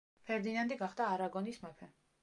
ფერდინანდი გახდა არაგონის მეფე.